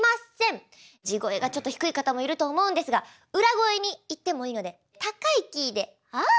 地声がちょっと低い方もいると思うんですが裏声にいってもいいので高いキーで「あ！あ！」